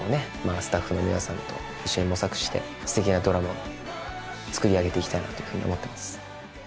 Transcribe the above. スタッフの皆さんと一緒に模索して素敵なドラマをつくり上げていきたいなというふうに思ってます